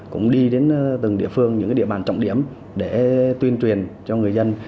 cũng đi đến từng địa phương những địa bàn trọng điểm để tuyên truyền cho người dân